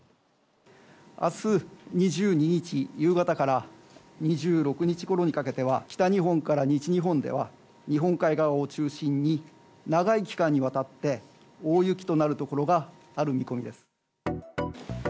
明日２２日夕方から２６日ごろにかけては北日本から西日本では日本海側を中心に長い期間にわたって大雪となるところがある見込みです。